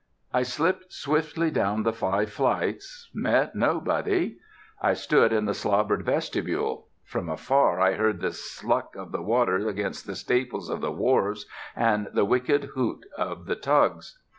I slipped swiftly down the five flights, met nobody. I stood in the slobbered vestibule. From afar I heard the sluck of the waters against the staples of the wharves, and the wicked hoot of the tugs.